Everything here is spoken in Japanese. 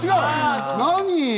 何？